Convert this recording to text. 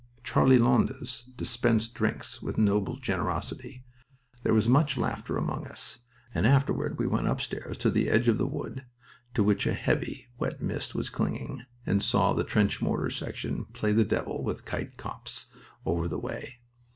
Charlie Lowndes dispensed drinks with noble generosity. There was much laughter among us, and afterward we went upstairs and to the edge of the wood, to which a heavy, wet mist was clinging, and I saw the trench mortar section play the devil with Kite Copse, over the way.